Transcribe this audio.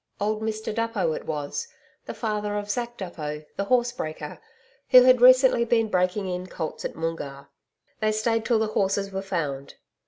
Old Mr Duppo, it was the father of Zack Duppo, the horse breaker, who had recently been breaking in colts at Moongarr. They stayed till the horses were found.